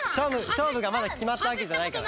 しょうぶがまだきまったわけじゃないから。